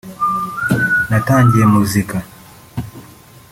” Natangiye muzika